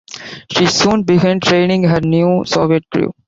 She soon began training her new Soviet crew.